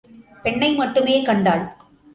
பெண்ணை மட்டுமே கண்டாள்.